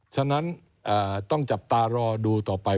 ฉะนั้นต้องจับตารอดูต่อไป